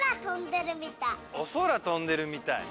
おそらとんでるみたい。